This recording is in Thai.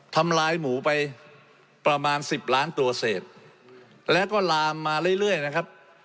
ทำลายหมูไปประมาณสิบล้านตัวเศษแล้วก็ลามมาเรื่อยนะครับ